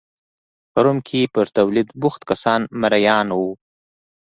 په روم کې پر تولید بوخت کسان مریان وو